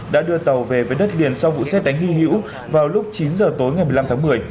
đã đưa tàu về với đất liền sau vụ xét đánh hy hữu vào lúc chín h tối ngày một mươi năm tháng một mươi